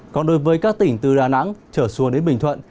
còn đối với các tỉnh từ đà nẵng trở xuống đến bình thuận